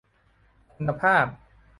คุณภาพ